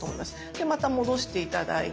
でまた戻して頂いて。